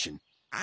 あ！